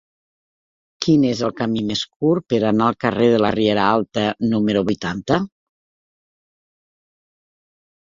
Quin és el camí més curt per anar al carrer de la Riera Alta número vuitanta?